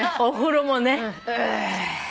お風呂もね。